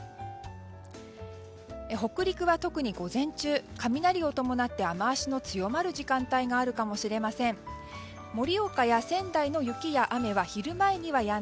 北陸は特に午前中雷を伴って雨脚の強まる時間帯があるかもしれません。